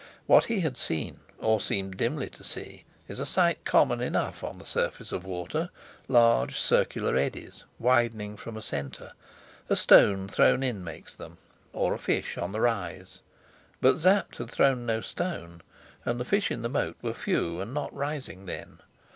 What he had seen, or seemed dimly to see, is a sight common enough on the surface of water large circular eddies, widening from a centre; a stone thrown in makes them, or a fish on the rise. But Sapt had thrown no stone, and the fish in the moat were few and not rising then.